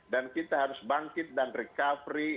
dan kita harus bangkit dan recovery